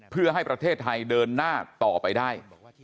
เพื่อให้ประเทศไทยเดินหน้าต่อไปได้